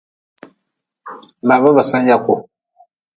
Baba ba sen yaku.